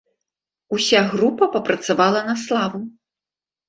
Уся група папрацавала па славу.